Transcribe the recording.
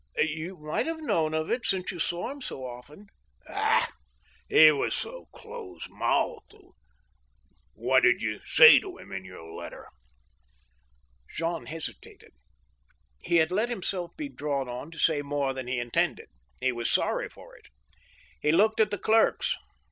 " You might have known of it, since you saw him so often." " Bah I He was so close mouthed. What did you say to him in your letter ?" Jean hesitated He had let himself be drawn on to say more than he intended. He was rather sorry for it He looked at the clerks.